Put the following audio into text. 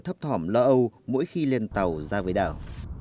thấp thỏm lo âu mỗi khi lên tàu ra với đảo